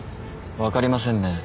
分かりませんね。